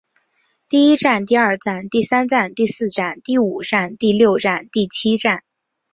第一战第二战第三战第四战第五战第六战第七战